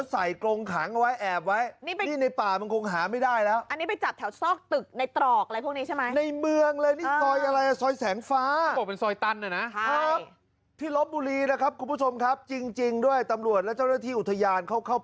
ใส่โกงขังน้อยไอ้ไอบไว้กลิ่นเข้าคงหาไม่ได้แล้ว